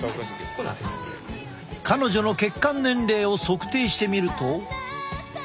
彼女の血管年齢を測定してみると。